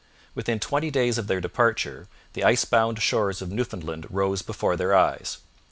Within twenty days of their departure the icebound shores of Newfoundland rose before their eyes.